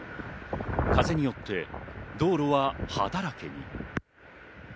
風によって道路は葉だらけに。